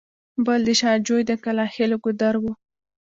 بل د شاه جوی د کلاخېلو ګودر و.